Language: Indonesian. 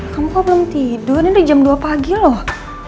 kamu kok belum tidur ini jam dua pagi loh